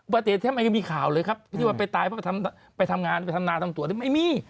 ประเทศแทบไม่มีข่าวเลยครับที่ว่าไปตายเพราะไปทำงานไปทำนาทำตัวนี้ไม่มี